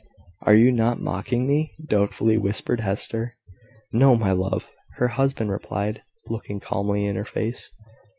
"Are you not mocking me?" doubtfully whispered Hester. "No, my love," her husband replied, looking calmly in her face.